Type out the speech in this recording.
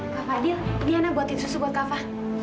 kava dia liana buatin susu buat kava